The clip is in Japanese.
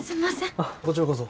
あっこちらこそ。